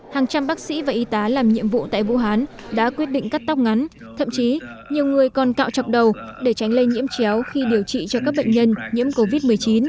hàng trăm bác sĩ và y tá làm nhiệm vụ tại vũ hán đã quyết định cắt tóc ngắn thậm chí nhiều người còn cạo chọc đầu để tránh lây nhiễm chéo khi điều trị cho các bệnh nhân nhiễm covid một mươi chín